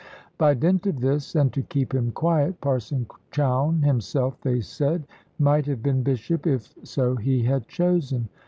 By dint of this, and to keep him quiet, Parson Chowne himself, they said, might have been bishop if so he had chosen.